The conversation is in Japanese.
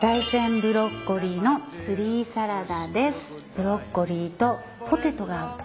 ブロッコリーとポテトが合うと。